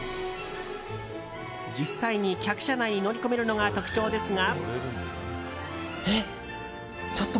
実際に、客車内に乗り込めるのが特徴ですが。